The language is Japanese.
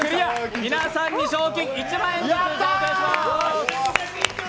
皆さんに賞金１万円ずつお渡しします。